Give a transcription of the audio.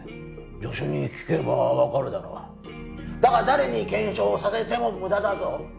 助手に聞けば分かるだろだが誰に検証させても無駄だぞ